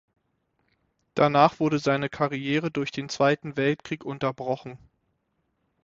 Danach wurde seine Karriere durch den Zweiten Weltkrieg unterbrochen.